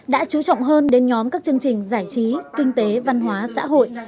đã chú trọng hơn đến nhóm các chương trình giải trí kinh tế văn hóa xã hội